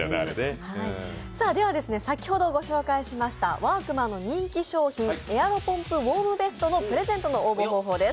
先ほどご紹介しましたワークマンの人気商品、エアロポンプウォームベストのプレゼントの応募方法です。